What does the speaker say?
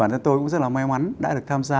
bản thân tôi cũng rất là may mắn đã được tham gia